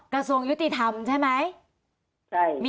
กระทรวงยุติธรรมใช่ไหม